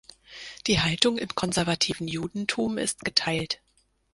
Die Haltung im konservativen Judentum ist geteilt.